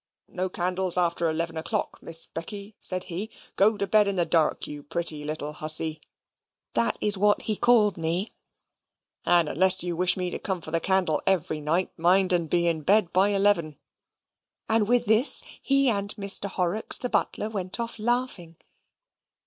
"No candles after eleven o'clock, Miss Becky," said he. "Go to bed in the dark, you pretty little hussy" (that is what he called me), "and unless you wish me to come for the candle every night, mind and be in bed at eleven." And with this, he and Mr. Horrocks the butler went off laughing.